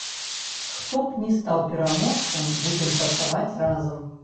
Хто б ні стаў пераможцам, будзем працаваць разам.